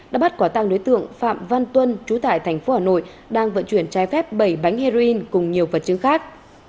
đã bắt quả tăng đối tượng phạm văn tuân trú tại thành phố hà nội đang vận chuyển trái phép bảy bánh heroin cùng nhiều vật chứng khác